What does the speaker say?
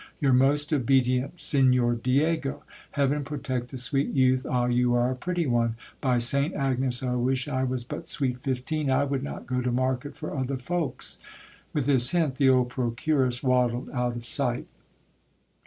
Your most obedient, Sig nor Diego ! Heaven protect the sweet youth ! Ah ! you are a pretty one ! By St Agnes, I wish I was but sweet fifteen, I would not go to market for other folks ! With this hint, the old procuress waddled out of sight.